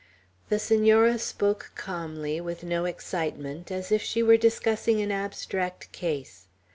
The Senora spoke calmly, with no excitement, as if she were discussing an abstract case.